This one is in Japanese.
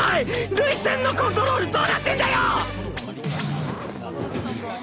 涙腺のコントロールどうなってんだよ！